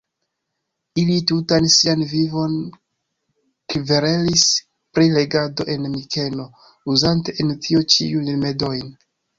Ili tutan sian vivon kverelis pri regado en Mikeno, uzante en tio ĉiujn rimedojn.